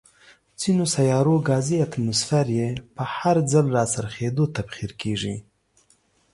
ځینو سیارو ګازي اتموسفیر یې په هر ځل راڅرخېدو، تبخیر کیږي.